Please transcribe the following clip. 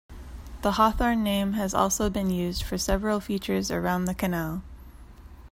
The Hawthorne name has also been used for several features around the canal.